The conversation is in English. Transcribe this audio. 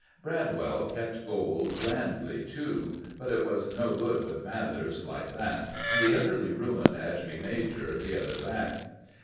Bradwell kept goal grandly too; but it was no good with Mathers like that, and he utterly ruined Ashby Major, the other back.